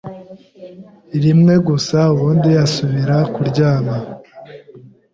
rimwe gusa ubundi asubira kuryama